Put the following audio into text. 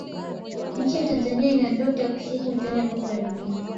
nchi ya Tanzania ina ndoto ya kushiriki michuano ya kombe la dunia